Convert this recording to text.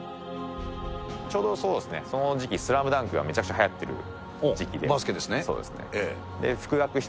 ちょうど、そうですね、その時期、スラムダンクがめちゃくちゃ流行ってる時期ですね。